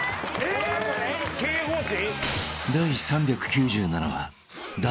経営方針？